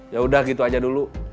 yaudah gitu aja dulu